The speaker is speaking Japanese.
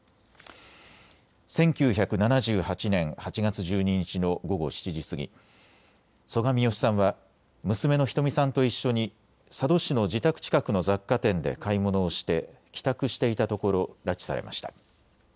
１９７８年８月１２日の午後７時過ぎ、曽我ミヨシさんは娘のひとみさんと一緒に佐渡市の自宅近くの雑貨店で買い物をして帰宅していたところ拉致されました。